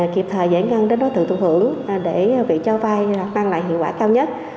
kịp thời giải ngân đến đó tự tụng hưởng để việc cho vai mang lại hiệu quả cao nhất